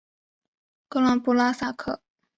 格朗布拉萨克。